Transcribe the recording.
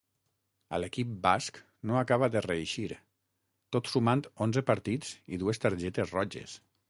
A l'equip basc no acaba de reeixir, tot sumant onze partits i dues targetes roges.